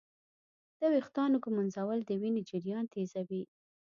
د ویښتانو ږمنځول د وینې جریان تېزوي.